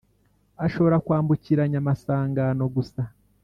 ashobora kwambukiranya amasangano gusa